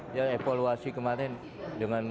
dia evaluasi kemarin dengan